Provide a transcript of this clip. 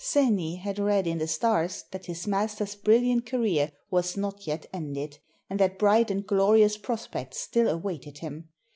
Seni had read in the stars that his master's brilliant career was not yet ended; and that bright and glorious prospects still awaited him.